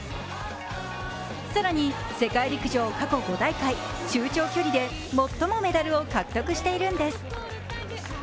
更に世界陸上、過去５大会中長距離で最もメダルを獲得しているんです。